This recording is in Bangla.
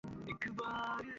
হ্যাঁঁ, অবশ্যই।